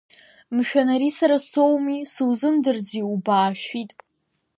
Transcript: Мшәан, ари сара соуми, сузымдырӡеи, убаашәит!